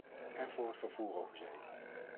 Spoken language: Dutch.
En voor het vervoer over zee.